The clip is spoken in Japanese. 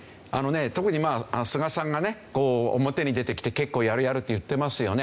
特に菅さんがねこう表に出てきて結構「やるやる」って言ってますよね。